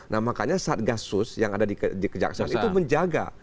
nah makanya satgasus yang ada di kejaksaan itu menjaga